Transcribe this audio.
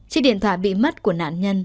chiếc điện thoại bị mất của nạn nhân